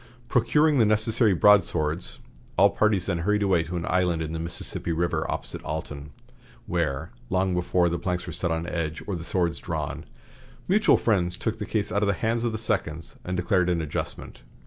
Procuring the necessary broadswords, all parties then hurried away to an island in the Mississippi River opposite Alton, where, long before the planks were set on edge or the swords drawn, mutual friends took the case out of the hands of the seconds and declared an adjustment.